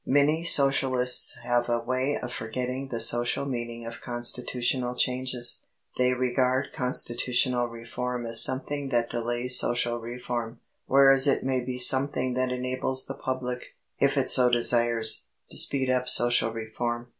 Many Socialists have a way of forgetting the social meaning of constitutional changes. They regard constitutional reform as something that delays social reform, whereas it may be something that enables the public, if it so desires, to speed up social reform.